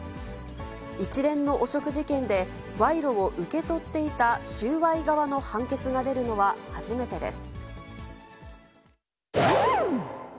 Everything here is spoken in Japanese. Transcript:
一連の汚職事件で、賄賂を受け取っていた収賄側の判決が出るのは初めてです。